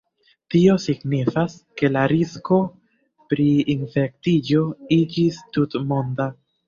Tio signifas ke la risko pri infektiĝo iĝis tutmonda.